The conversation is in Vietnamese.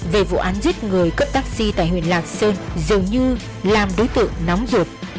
về vụ án giết người cấp taxi tại huyện lạc sơn dường như làm đối tượng nóng ruột